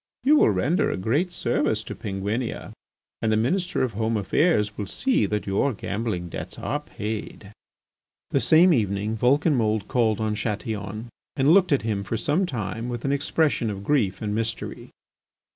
You will render a great service to Penguinia, and the Minister of Home Affairs will see that your gambling debts are paid." The same evening Vulcanmould called on Chatillon and looked at him for some time with an expression of grief and mystery.